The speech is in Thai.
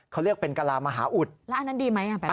เขาเรียกเป็นกะลามหาอุดแล้วอันนั้นดีไหมอ่ะแบบนี้